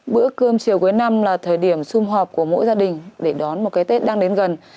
bữa cơm chiều cuối năm là thời điểm xung họp của mỗi gia đình để đón một cái tết đang đến gần